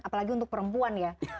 apalagi untuk perempuan ya